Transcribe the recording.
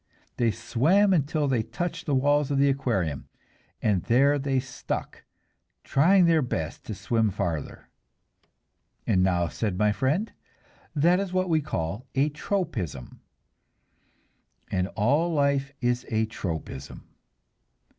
They swam until they touched the walls of the aquarium, and there they stuck, trying their best to swim farther. "And now," said my friend, "that is what we call a 'tropism,' and all life is a tropism.